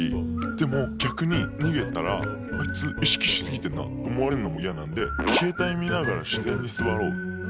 でも逆に逃げたらあいつ意識し過ぎてんなって思われるのも嫌なんで携帯見ながら自然に座ろうと思って。